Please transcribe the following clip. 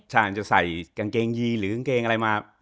ใช่อาจจะใส่กางเกงยีหรือกางเกงอะไรมา